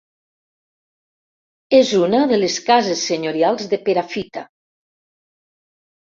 És una de les cases senyorials de Perafita.